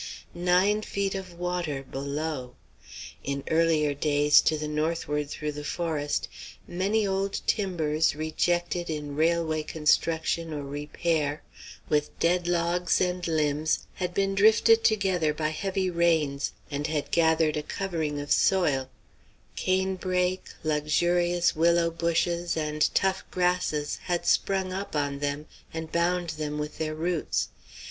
Nine feet of water below. In earlier days, to the northward through the forest, many old timbers rejected in railway construction or repair, with dead logs and limbs, had been drifted together by heavy rains, and had gathered a covering of soil; canebrake, luxurious willow bushes, and tough grasses had sprung up on them and bound them with their roots.